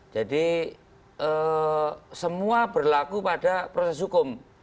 jadi semua berlaku pada proses hukum